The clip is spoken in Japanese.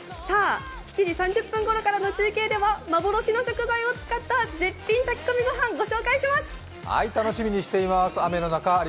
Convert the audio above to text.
７時３０分ごろからの中継では幻の食材を使った絶品炊き込みご飯、ご紹介します。